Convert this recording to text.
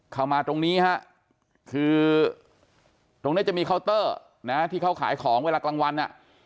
เข้ามาตรงนี้ฮะคือตรงนี้จะมีเคาน์เตอร์นะที่เขาขายของเวลากลางวันอ่ะ